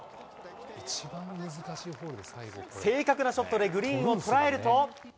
正確なショットでグリーンを捉えると。